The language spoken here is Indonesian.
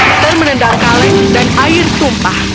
ester menendang kaleng dan air tumpah